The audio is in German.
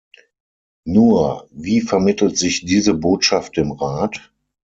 Nur, wie vermittelt sich diese Botschaft dem Rat?